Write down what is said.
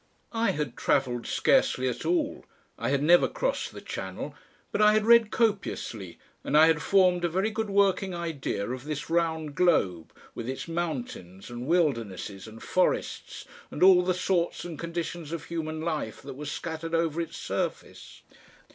I had travelled scarcely at all, I had never crossed the Channel, but I had read copiously and I had formed a very good working idea of this round globe with its mountains and wildernesses and forests and all the sorts and conditions of human life that were scattered over its surface.